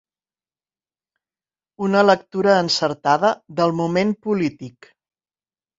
Una lectura encertada del moment polític.